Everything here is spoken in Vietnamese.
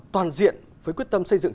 toàn diện với quyết tâm xây dựng